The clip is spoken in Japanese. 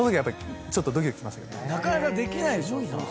なかなかできないでしょ。